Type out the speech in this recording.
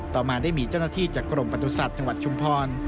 ต่อมาได้มีเจ้าหน้าที่จากกรมประสุทธิ์จังหวัดชุมพร